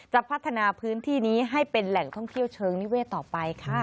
พัฒนาพื้นที่นี้ให้เป็นแหล่งท่องเที่ยวเชิงนิเวศต่อไปค่ะ